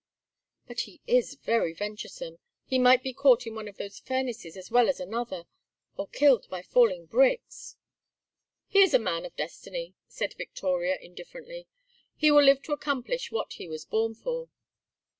"But he is very venturesome. He might be caught in one of those furnaces as well as another, or killed by falling bricks." "He is a man of destiny," said Victoria indifferently. "He will live to accomplish what he was born for."